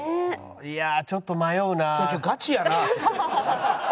いやちょっと迷うな。